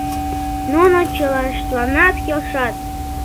— Нуно чылаштланат келшат.